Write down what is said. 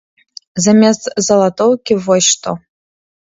Замест залатоўкі вось што!